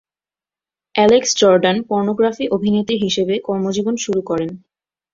Alex Jordan pornography অভিনেত্রী হিসেবে কর্মজীবন শুরু করেন।